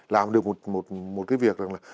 làm được một cái việc rằng là